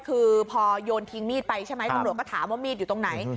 คือพอโยนทิ้งมีดไปใช่ไหมตำรวจก็ถามว่ามีดอยู่ตรงไหน